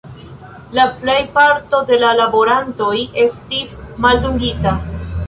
La plejparto de la laborantoj estis maldungita.